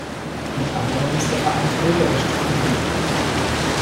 Mit anderen ist der Verein Träger der Stiftung Buchkunst.